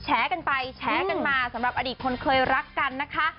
แฉกันไปแฉกันมาสำหรับอดีตคนเคยรักกันนะคะ